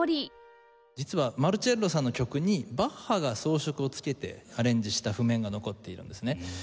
実はマルチェッロさんの曲にバッハが装飾をつけてアレンジした譜面が残っているんですね。